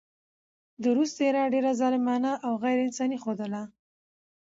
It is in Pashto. د روس څهره ډېره ظالمانه او غېر انساني ښودله.